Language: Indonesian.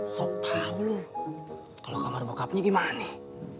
kok tahu loh kalau kamar bokapnya gimana nih